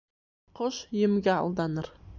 Ҡош емгә алданыр